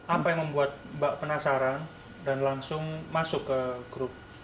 apa yang membuat mbak penasaran dan langsung masuk ke grup